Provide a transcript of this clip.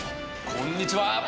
こんにちは。